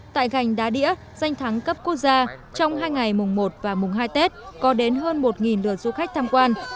tại gành đá đĩa danh thắng cấp quốc gia trong hai ngày mùng một và mùng hai tết có đến hơn một lượt du khách tham quan